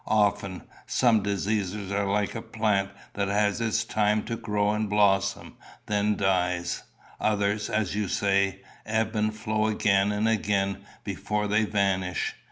"Often. Some diseases are like a plant that has its time to grow and blossom, then dies; others, as you say, ebb and flow again and again before they vanish."